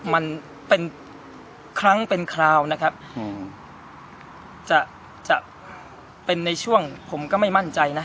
มันเป็นครั้งเป็นคราวนะครับอืมจะจะเป็นในช่วงผมก็ไม่มั่นใจนะ